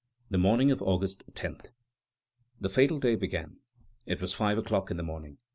THE MORNING OF AUGUST TENTH. The fatal day began. It was five o'clock in the morning.